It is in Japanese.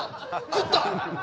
食った！？